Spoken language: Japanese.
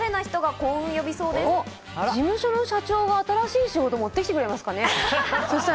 事務所の社長が新しい仕事を持ってきてくれますかね？